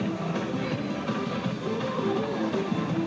มันสร้อนแล้ว